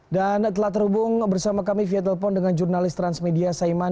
dan telah terhubung bersama kami via telepon dengan jurnalis transmedia saiman